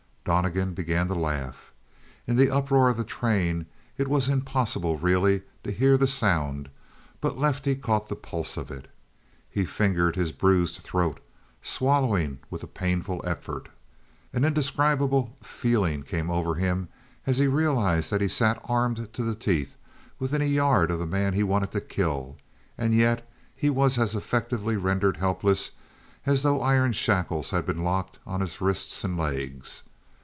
Donnegan began to laugh. In the uproar of the train it was impossible really to hear the sound, but Lefty caught the pulse of it. He fingered his bruised throat; swallowing was a painful effort. And an indescribable feeling came over him as he realized that he sat armed to the teeth within a yard of the man he wanted to kill, and yet he was as effectively rendered helpless as though iron shackles had been locked on his wrists and legs.